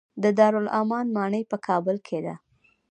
د دارالامان ماڼۍ په کابل کې ده